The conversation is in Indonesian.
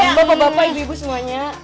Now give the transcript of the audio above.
maaf maaf bapak bapak ibu ibu semuanya